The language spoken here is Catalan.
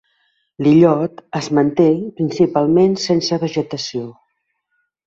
L'illot es manté principalment sense vegetació.